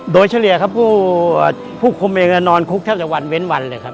โดยเฉลี่ยครับผู้คุมเองนอนคุกแทบจะวันเว้นวันเลยครับ